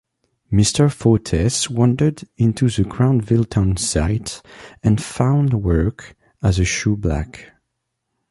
Mr. Fortes wandered into the Granville townsite and found work as a shoeblack.